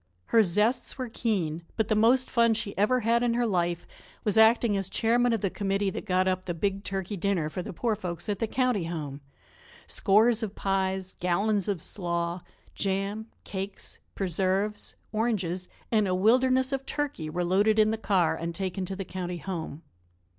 Her zests were keen. But the most fun she ever had in her life was acting as chairman of the committee that got up the big turkey dinner for the poor folks at the county home; scores of pies, gallons of slaw; jam, cakes, preserves, oranges and a wilderness of turkey were loaded in the car and taken to the county home.